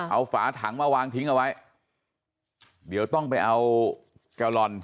เอาฝาถังมาวางทิ้งเอาไว้เดี๋ยวต้องไปเอาแกลลอน